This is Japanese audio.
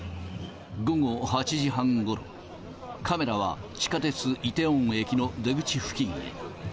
午後８時半ごろ、カメラは地下鉄イテウォン駅の出口付近へ。